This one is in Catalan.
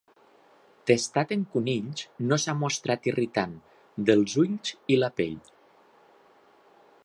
Testat en conills, no s'ha mostrat irritant dels ulls i la pell.